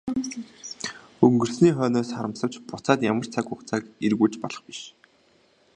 Өнгөрсний хойноос харамсавч буцаад ямар цаг хугацааг эргүүлж болох биш.